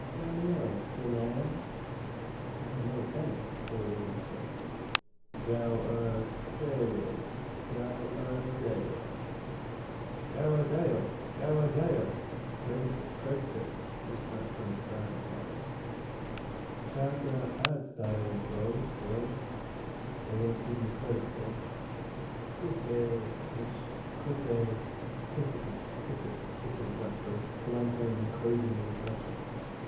'Cha nel ping aym.' 'I have not a penny,' poor Robin said. 'Gow er dayl, gow er dayl.' 'Credit it, credit it,' was Blackbird's bad advice. 'Cha der ad dayl dou, boy.' 'They won't give me credit, boy.' 'Quit eh, eisht, quit eh.' 'Quit it, then, quit it,' whistled Blackbird, flying home and closing the discussion.